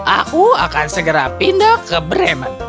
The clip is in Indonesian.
aku akan segera pindah ke bremen